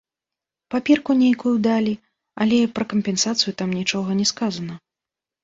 Паперку нейкую далі, але пра кампенсацыю там нічога не сказана.